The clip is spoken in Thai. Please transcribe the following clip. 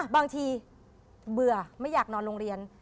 บางทีเบื่อไม่อยากนอนโรงเรียน